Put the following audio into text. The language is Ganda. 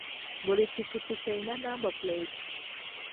Buli ppikipiki erina namba puleeti.